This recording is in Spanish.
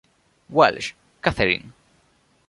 Walsh, Catherine.